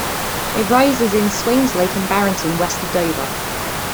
It rises in Swains Lake in Barrington, west of Dover.